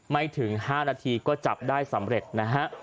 ไม่ถึง๕นาทีก็จับได้สำเร็จนะฮะ